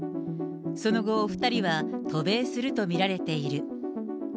その後、２人は渡米すると見られている。